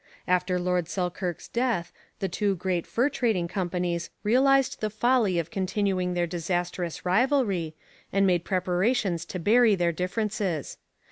After Lord Selkirk's death the two great fur trading companies realized the folly of continuing their disastrous rivalry, and made preparations to bury their differences.